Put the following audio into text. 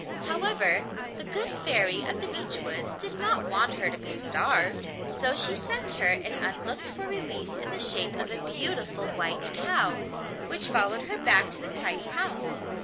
However, the good Fairy of the Beech Woods did not want her to be starved, so she sent her an unlooked for relief in the shape of a beautiful white cow, which followed her back to the tiny house.